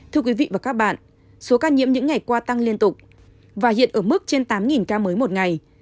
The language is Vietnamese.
thưa quý vị và các bạn số ca nhiễm những ngày qua tăng liên tục và hiện ở mức trên tám ca mới một ngày